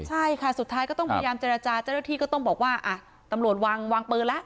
ใช่ค่ะสุดท้ายก็ต้องพยายามเจรจาเจ้าหน้าที่ก็ต้องบอกว่าอ่ะตำรวจวางวางปืนแล้ว